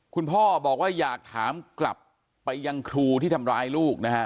คุณพ่อบอกว่าอยากถามกลับไปยังครูที่ทำร้ายลูกนะฮะ